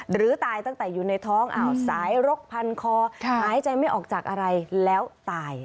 หรือตายตั้งแต่อยู่ในท้องสายรกพันคอหายใจไม่ออกจากอะไรแล้วตาย